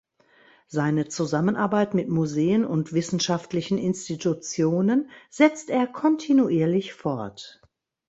Seine Zusammenarbeit mit Museen und wissenschaftlichen Institutionen setzt er kontinuierlich fort.